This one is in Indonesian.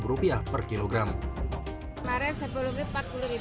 kemarin rp sepuluh rp empat puluh sekarang naik rp delapan puluh